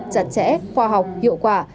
chặt chẽ khoa học hiệu quả